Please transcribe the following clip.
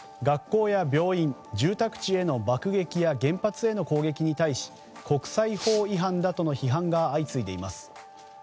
学校や病院住宅地への爆撃や原発への攻撃に対し国際法違反だとの批判が相次いでいます。